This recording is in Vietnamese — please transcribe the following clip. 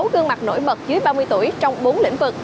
hai mươi sáu gương mặt nổi bật dưới ba mươi tuổi trong bốn lĩnh vực